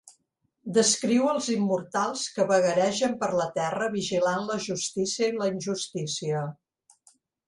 Descriu els immortals que vagaregen per la Terra vigilant la justícia i la injustícia.